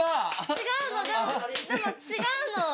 違うのでも違うの。